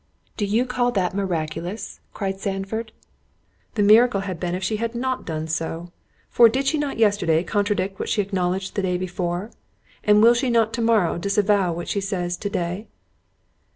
"Do you call that miraculous?" cried Sandford; "the miracle had been if she had not done so—for did she not yesterday contradict what she acknowledged the day before? and will she not to morrow disavow what she says to day?"